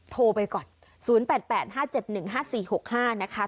โทรไปก่อนศูนย์แปดแปดห้าเจ็ดหนึ่งห้าสี่หกห้านะคะ